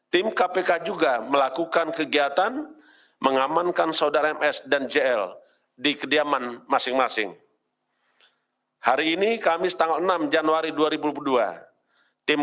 tim kkpk juga melakukan penangkapan terhadap beberapa pihak swasta